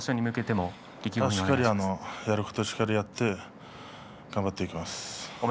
しっかりやることをやって頑張っていきます。